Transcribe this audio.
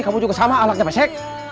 ih kamu juga sama alaknya pesek